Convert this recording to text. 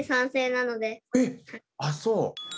あっそう。